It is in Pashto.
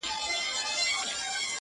زه به غمو ته شاعري كومه،